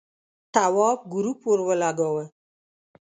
تواب گروپ ور ولگاوه.